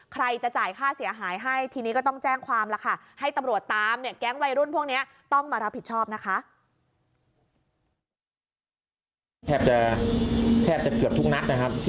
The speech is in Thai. ใครจะจ่ายค่าเสียหายให้ทีนี้ก็ต้องแจ้งความละค่ะ